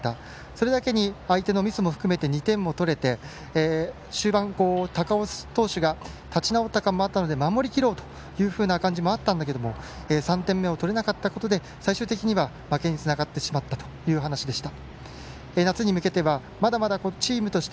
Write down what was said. それだけに相手のミスも含め２点を取れて終盤、高尾投手が立ち直った感もあったので守りきろうという感じもあったんだけど３点目を取れなかったことで最終的には負けにつながってしまったという話でした。